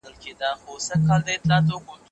هغه پوهه چي انسان ته ګټه رسوي ډېره مهمه ده.